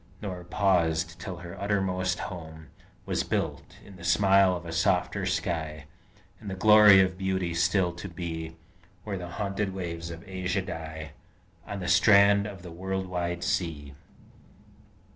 Nor paused, till her uttermost home Was built, in the smile of a softer sky And the glory of beauty still to be, Where the haunted waves of Asia die On the strand of the world wide sea!